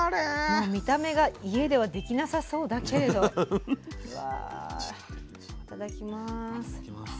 もう見た目が家ではできなさそうだけれどうわいただきます。